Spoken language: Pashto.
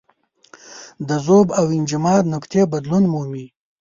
د ذوب او انجماد نقطې بدلون مومي.